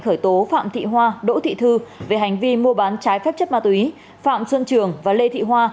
khởi tố phạm thị hoa đỗ thị thư về hành vi mua bán trái phép chất ma túy phạm xuân trường và lê thị hoa